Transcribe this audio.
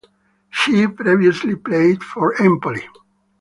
She previously played for Empoli.